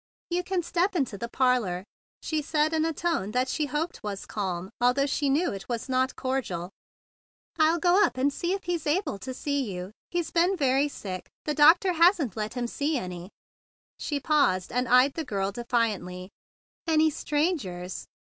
"You can step into the parlor," she said in a tone that she hoped was calm, although she knew it was not cordial. "I'll go up and see if he's able to see you. He's been very sick. The doctor hasn't let him see any"—she paused, and eyed the girl defiantly—"any strangers